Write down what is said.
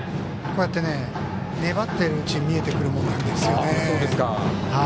こうやって粘ってるうちに見えてくるものなんですよ。